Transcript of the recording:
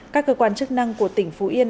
các cơ quan chức năng của tỉnh phú yên